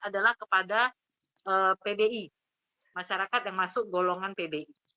adalah kepada pdi masyarakat yang masuk golongan pbi